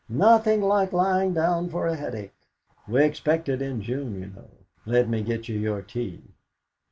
Nothing like lying down for a headache. We expect it in June, you know. Let me get you your tea."